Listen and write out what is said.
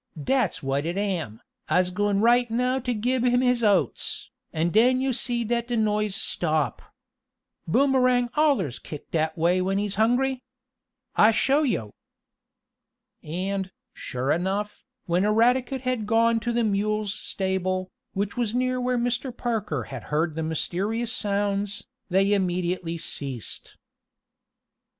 Dat's what it am. I'se gwine right now t' gib him his oats, and den yo' see dat de noise stop. Boomerang allers kick dat way when he's hungry. I show yo'!" And, sure enough, when Eradicate had gone to the mule's stable, which was near where Mr. Parker had heard the mysterious sounds, they immediately ceased.